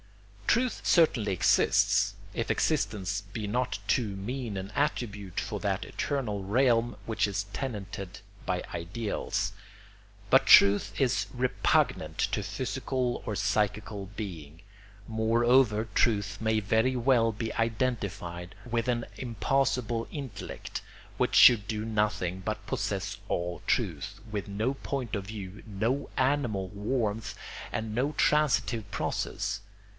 Truth certainly exists, if existence be not too mean an attribute for that eternal realm which is tenanted by ideals; but truth is repugnant to physical or psychical being. Moreover, truth may very well be identified with an impassible intellect, which should do nothing but possess all truth, with no point of view, no animal warmth, and no transitive process.